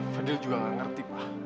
fadil juga gak ngerti pak